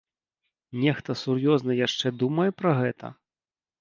Нехта сур'ёзна яшчэ думае пра гэта?